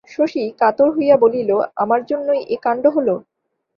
শশী কাতর হইয়া বলিল, আমার জন্যই এ কান্ড হল।